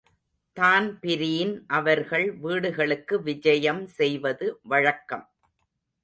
Dan Breen அவர்கள் வீடுகளுக்கு விஜயம் செய்வது வழக்கம்.